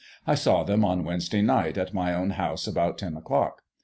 I saw them on Wednesday night, at my own house, about ten o'clock.